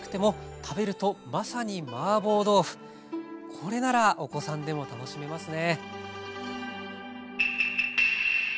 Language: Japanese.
これならお子さんでも楽しめますね。